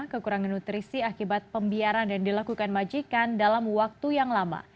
kekurangan nutrisi akibat pembiaran yang dilakukan majikan dalam waktu yang lama